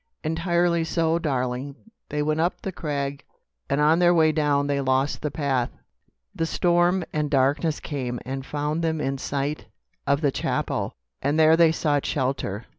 "Entirely so, darling. They went up the crag, and on their way down they lost the path. The storm and darkness came and found them in sight of the chapel, and there they sought shelter.